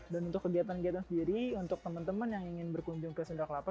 dan untuk kegiatan kegiatan sendiri untuk teman teman yang ingin berkunjung ke sunda kelapa